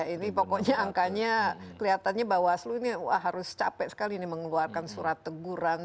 ini pokoknya angkanya kelihatannya bahwa waslu ini harus capek sekali mengeluarkan surat teguran